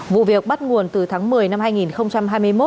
vụ việc bắt nguồn từ tháng một mươi năm hai nghìn hai mươi một